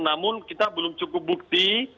namun kita belum cukup bukti